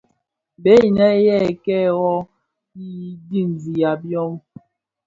Bèè inë yê kêê wôôgh i digsigha byôm.